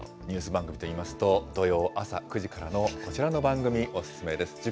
ニュース番組といいますと、土曜朝９時からのこちらの番組、お勧めです。